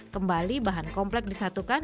kembali bahan komplek disatukan